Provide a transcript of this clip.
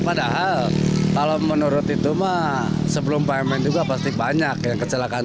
padahal kalau menurut itu mah sebelum payment juga pasti banyak yang kecelakaan